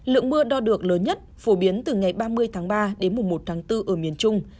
lượng mưa đo được lớn nhất phổ biến từ ngày ba mươi tháng ba đến mùng một tháng bốn ở miền trung